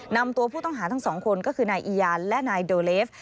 นำตัวผู้ต้องหาทั้งสองคนก็คือนายอียานและนายโดเลฟ